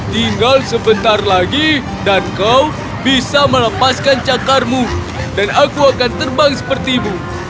tinggal sebentar lagi dan kau bisa melepaskan cakarmu dan aku akan terbang sepertimu